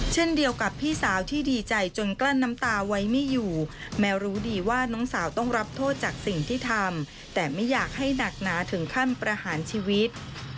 เช่นเดียวกับพี่สาวที่ดีใจจนกลั้นน้ำตาไว้ไม่อยู่แมวรู้ดีว่าน้องสาวต้องรับโทษจากสิ่งที่ทำแต่ไม่อยากให้หนักหนาถึงขั้นประหารชีวิต